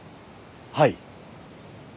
はい。